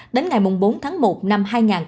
đến ngày bốn tháng một năm hai nghìn hai mươi